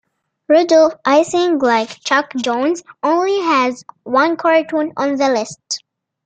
Rudolf Ising, like Chuck Jones, only has one cartoon on the list.